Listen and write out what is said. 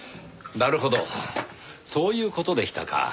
なるほどそういう事でしたか。